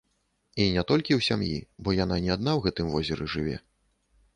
І не толькі ў сям'і, бо яна не адна ў гэтым возеры жыве.